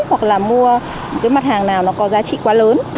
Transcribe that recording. hoặc là mua cái mặt hàng nào nó có giá trị quá lớn